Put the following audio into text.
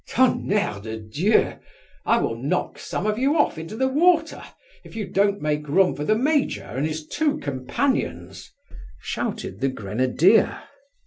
"Tonnerre de Dieu! I will knock some of you off into the water if you don't make room for the major and his two companions," shouted the grenadier.